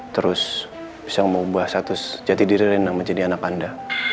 terus bisa mengubah status jati diri dan menjadi anak anda